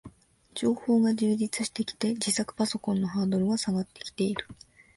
情報が充実してきて、自作パソコンのハードルは下がってきている